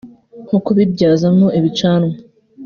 nko kuyibyazamo ibicanwa